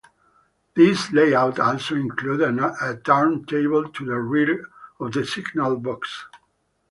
This layout also included a turntable to the rear of the signal box.